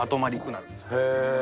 へえ。